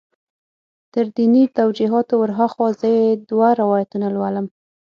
تر دیني توجیهاتو ور هاخوا زه یې دوه روایتونه لولم.